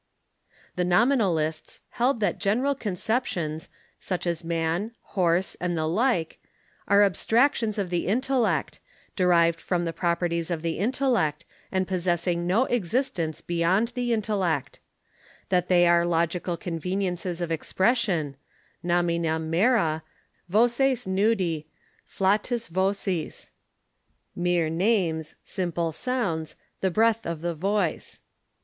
The Nominalists held that general conceptions, such as man, horse, and the like, are abstractions of the intellect, derived from the properties of the intellect, and possessing ^Ti"^'.'*!* no existence beyond the intellect : that they are and Realists ,•','•' logical conveniences of expression — yiomina mera, voces 7Uidae, flatus vocis (mere names, simple sounds, the breath of the voice).